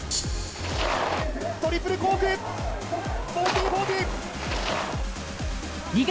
トリプルコーク４０４０。